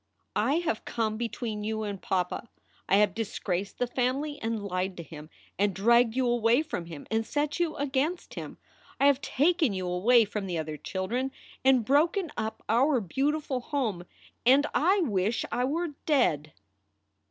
"I have come between you and papa. I have disgraced the family and lied to him and dragged you away from him and set you against him. I have taken you away from the other children, and broken up our beautiful home, and I wish I were dead."